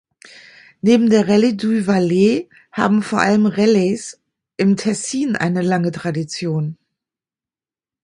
Neben der Rallye du Valais haben vor allem Rallyes im Tessin eine lange Tradition.